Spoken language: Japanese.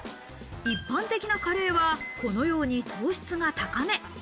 一般的なカレーは、このように糖質が高め。